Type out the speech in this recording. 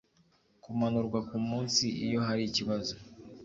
kumanurwa ku minsi iyo hari ikibazo